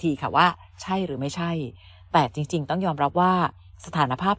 ค่ะว่าใช่หรือไม่ใช่แต่จริงจริงต้องยอมรับว่าสถานภาพ